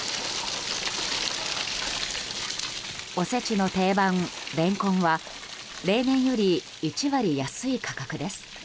おせちの定番、レンコンは例年より１割安い価格です。